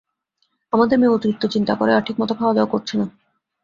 আমার মেয়ে অতিরিক্ত চিন্তা করে আর ঠিকমত খাওয়া দাওয়া করছে না।